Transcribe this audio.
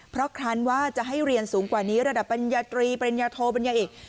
เพราะครั้นว่าจะให้เรียนสูงกว่านี้ระดับปัญญาตรีปริญญาโทปัญญาเอก